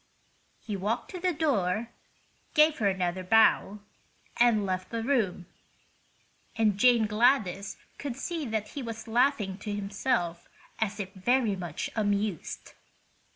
He walked to the door, gave her another bow, and left the room, and Jane Gladys could see that he was laughing to himself as if very much amused.